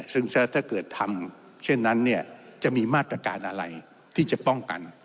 ซึ่งถ้าเกิดทำเช่นนั้นเนี่ยจะมีมาตรการอะไรที่จะป้องกัน